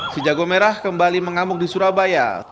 si jago merah kembali mengamuk di surabaya